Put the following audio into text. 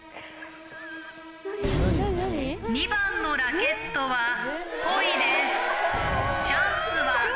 ２番のラケットは、ポイです。